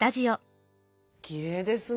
きれいですね。